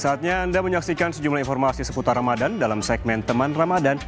saatnya anda menyaksikan sejumlah informasi seputar ramadan dalam segmen teman ramadhan